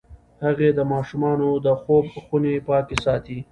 هغې د ماشومانو د خوب خونې پاکې ساتي.